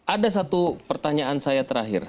ada satu pertanyaan saya terakhir